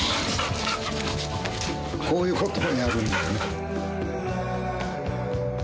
こういう事をやるんだよね。